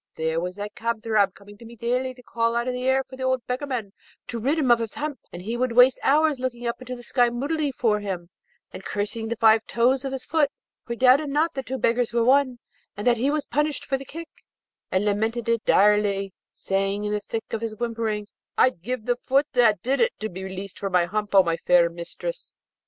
There was that Kadrab coming to me daily to call out in the air for the old beggarman to rid him of his hump; and he would waste hours looking up into the sky moodily for him, and cursing the five toes of his foot, for he doubted not the two beggars were one, and that he was punished for the kick, and lamented it direly, saying in the thick of his whimperings, 'I'd give the foot that did it to be released from my hump, O my fair mistress.'